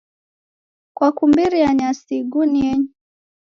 Kwakumbiria nyasi igunienyi